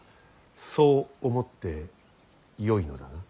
そう思ってよいのだな。